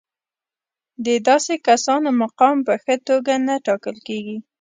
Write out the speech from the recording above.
د داسې کسانو مقام په ښه توګه نه ټاکل کېږي.